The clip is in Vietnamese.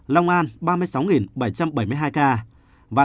long an ba mươi sáu bảy trăm bảy mươi hai ca